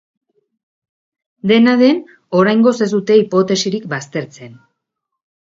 Dena den, oraingoz ez dute hipotesirik baztertzen.